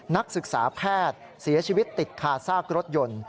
นักศึกษาแพทย์เสียชีวิตติดคาซากรถยนต์